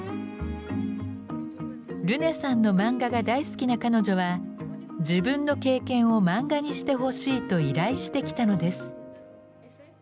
ルネさんの漫画が大好きな彼女は自分の経験を漫画にしてほしいと依頼してきたのです。